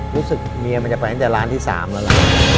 รู้สึกเมียมันจะไปให้แต่ล้านที่สามละ